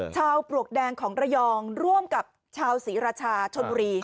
ชาวปลวกแดงของไฮยองกับชาวสิริชาชนบุรี